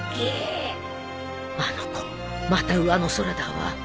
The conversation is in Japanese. あの子また上の空だわ